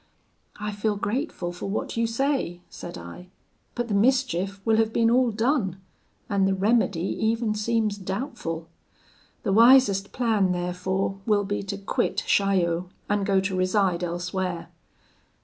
'I feel grateful for what you say,' said I, 'but the mischief will have been all done, and the remedy even seems doubtful; the wisest plan therefore will be to quit Chaillot, and go to reside elsewhere.'